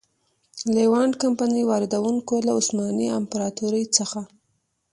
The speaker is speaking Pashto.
لېوانټ کمپنۍ واردوونکو له عثماني امپراتورۍ څخه.